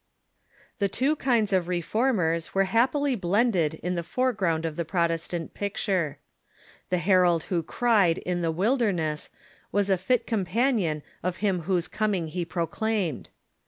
The two kinds of Reformers Avere happily blended in the foreground of the Protestant picture. The herald who cried "in the Avilderness" was a fit companion of him Two Kinds of ^yijQge coming he proclaimed.